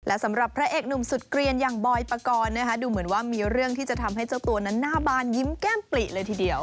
และสำหรับพระเอกหนุ่มสุดเกลียนอย่างบอยปกรณ์นะคะดูเหมือนว่ามีเรื่องที่จะทำให้เจ้าตัวนั้นหน้าบานยิ้มแก้มปลิเลยทีเดียว